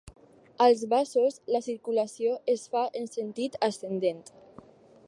Als vasos, la circulació es fa en sentit ascendent.